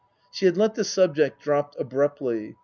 She had let the subject drop abruptly.